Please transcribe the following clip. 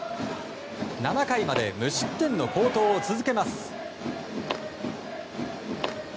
７回まで無失点の好投を続けます。